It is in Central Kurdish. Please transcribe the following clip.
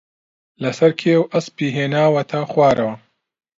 لەسەر کێو ئەسپی ھێناوەتە خوارەوە